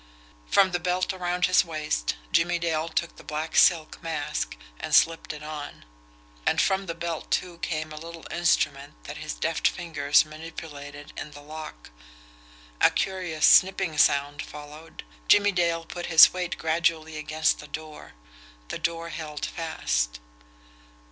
From the belt around his waist, Jimmie Dale took the black silk mask, and slipped it on; and from the belt, too, came a little instrument that his deft fingers manipulated in the lock. A curious snipping sound followed. Jimmie Dale put his weight gradually against the door. The door held fast.